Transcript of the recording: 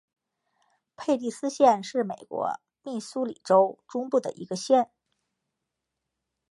佩蒂斯县是美国密苏里州中部的一个县。